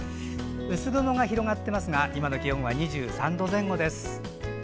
薄曇が広がっていますが今の気温は２３度前後です。